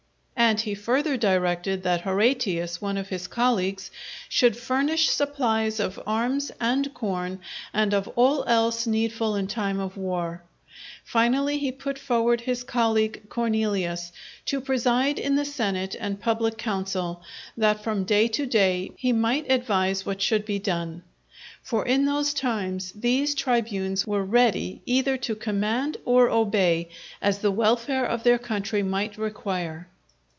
And he further directed, that Horatius, one of his colleagues, should furnish supplies of arms, and corn, and of all else needful in time of war. Finally he put forward his colleague Cornelius to preside in the senate and public council, that from day to day he might advise what should be done. For in those times these tribunes were ready either to command or obey as the welfare of their country might require.